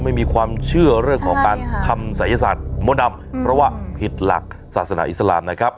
ไม่มีความเชื่อเรื่องของการทำศัยศาสตร์มดดำเพราะว่าผิดหลักศาสนาอิสลามนะครับ